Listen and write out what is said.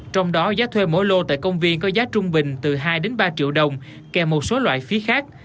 trong đó giá thuê mỗi lô tại công viên có giá trung bình từ hai ba triệu đồng kèm một số loại phí khác